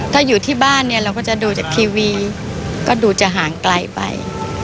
ถ้าอยู่ที่บ้านเนี่ยเราก็จะดูจากทีวีก็ดูจะห่างไกลไป